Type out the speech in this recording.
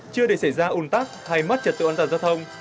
chưa để xảy ra ủn tắc hay mất trật tự an toàn giao thông